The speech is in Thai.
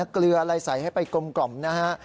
เกลืออะไรใส่ให้ไปกลมนะฮะ